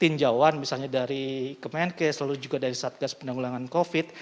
tinjauan misalnya dari kemenke selalu juga dari satgas pendangulangan covid sembilan belas